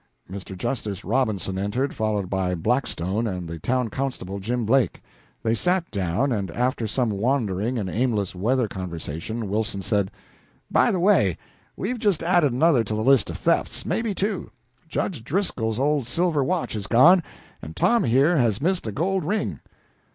Mr. Justice Robinson entered, followed by Buckstone and the town constable, Jim Blake. They sat down, and after some wandering and aimless weather conversation Wilson said "By the way, we've just added another to the list of thefts, maybe two. Judge Driscoll's old silver watch is gone, and Tom here has missed a gold ring."